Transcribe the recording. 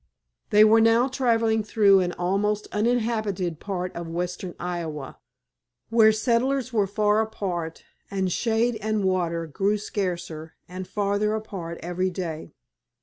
They were now traveling through an almost uninhabited part of western Iowa, where settlers were far apart and shade and water grew scarcer and farther apart every day.